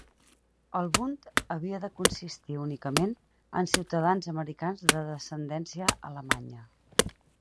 El Bund havia de consistir únicament en ciutadans americans de descendència alemanya.